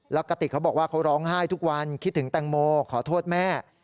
แล้วกระติกเขาบอกว่าเขาร้องไห้ทุกวันคิดถึงแตงโมขอโทษแม่